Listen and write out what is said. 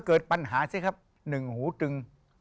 จะเกิดปัญหา๑หูตึง